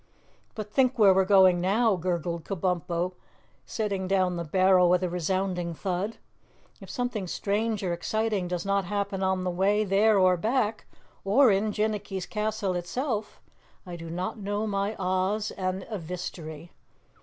"But think where we're going now," gurgled Kabumpo, setting down the barrel with a resounding thud. "If something strange or exciting does not happen on the way there or back, or in Jinnicky's castle itself, I do not know my Oz and Evistery.